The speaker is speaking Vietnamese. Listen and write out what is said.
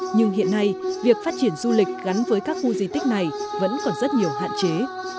nhưng hiện nay việc phát triển du lịch gắn với các khu di tích này vẫn còn rất nhiều hạn chế